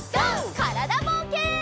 からだぼうけん。